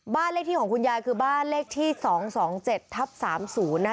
บ้านเลขที่ของคุณยายคือบ้านเลขที่๒๒๗ทับ๓๐นะ